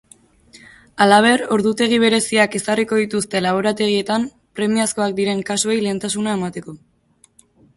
Halaber, ordutegi bereziak ezarriko dituzte laborategietan premiazkoak diren kasuei lehentasuna emateko.